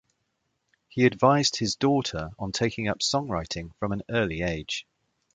He advised his daughter on taking up songwriting from an early age.